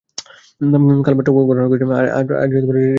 কাল মাত্র ঘটেছে, আর আজই রেডিওতে প্রচার করছে!